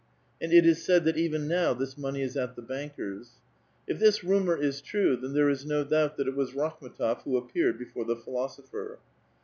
And it is said that even now this money is at the banker's. If this rumor is true, then there is no doubt that it was Rakhm^tof who appeared before the philosophar.